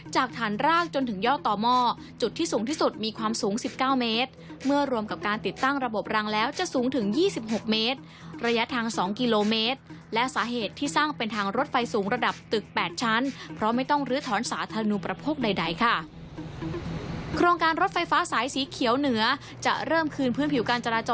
จากฐานรากจนถึงย่อต่อหม้อจุดที่สูงที่สุดมีความสูง๑๙เมตรเมื่อรวมกับการติดตั้งระบบรังแล้วจะสูงถึง๒๖เมตรระยะทาง๒กิโลเมตรและสาเหตุที่สร้างเป็นทางรถไฟสูงระดับตึก๘ชั้นเพราะไม่ต้องลื้อถอนสาธารณูประโภคใดค่ะโครงการรถไฟฟ้าสายสีเขียวเหนือจะเริ่มคืนพื้นผิวการจราจร